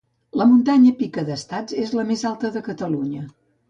La muntanya Pica d'Estats és la més alta de Catalunya